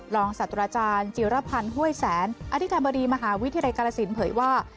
สัตว์อาจารย์จิรพันธ์ห้วยแสนอธิการบดีมหาวิทยาลัยกาลสินเผยว่า